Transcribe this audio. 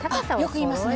よく言いますね